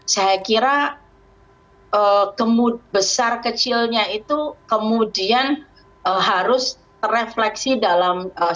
saya kira gemut besar kecilnya itu kemudian harus terefleksi dalam